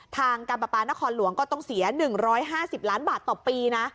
ทางการปรับปรานครหลวงคือ๑๕๐ล้านบาทก็ต้องเสีย๑ร้อย๕๐ล้านบาทต่อปี